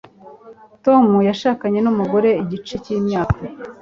Tom yashakanye numugore igice cyimyaka